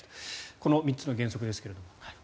この３つの原則ですけれども。